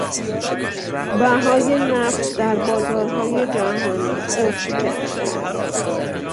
بهای نفت در بازارهای جهانی افت کرده است.